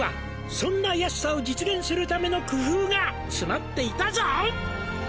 「そんな安さを実現するための工夫が詰まっていたぞ」